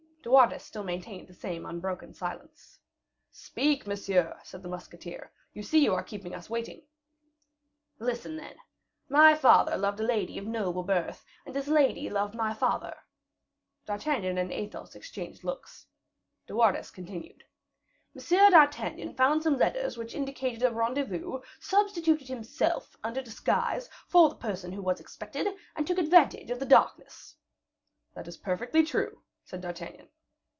De Wardes still maintained the same unbroken silence. "Speak, monsieur," said the musketeer; "you see you are keeping us waiting." "Listen, then: My father loved a lady of noble birth, and this lady loved my father." D'Artagnan and Athos exchanged looks. De Wardes continued: "M. d'Artagnan found some letters which indicated a rendezvous, substituted himself, under disguise, for the person who was expected, and took advantage of the darkness." "That is perfectly true," said D'Artagnan.